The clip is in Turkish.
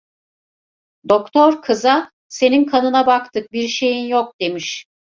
Doktor, kıza: "Senin kanına baktık, bir şeyin yok!" demiş.